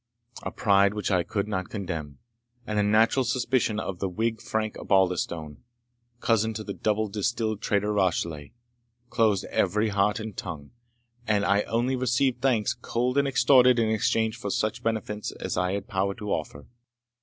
A pride which I could not condemn, and a natural suspicion of the Whig Frank Osbaldistone, cousin to the double distilled traitor Rashleigh, closed every heart and tongue, and I only received thanks, cold and extorted, in exchange for such benefits as I had power to offer.